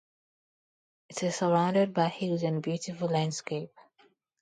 It is surrounded by hills and beautiful landscape.